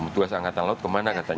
tugas angkatan laut kemana katanya